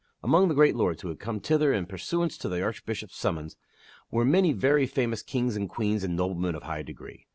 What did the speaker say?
Among the great lords who had come thither in pursuance to the Archbishop's summons were many very famous kings and queens and noblemen of high degree.